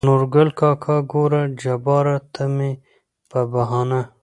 نورګل کاکا: ګوره جباره ته مې په بهانه